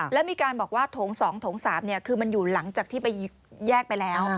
แล้วมีการบอกว่าโถง๒โถง๓คือมันอยู่หลังจากที่ไปแยกไปแล้ว